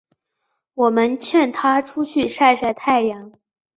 我们劝她出去晒晒太阳